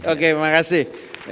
oke terima kasih